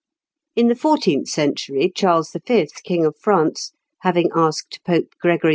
In the fourteenth century, Charles V., King of France, having asked Pope Gregory XI.